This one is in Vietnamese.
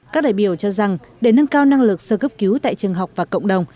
các đại biểu cho rằng để nâng cao năng lực sơ cấp cứu tại trường học và cộng đồng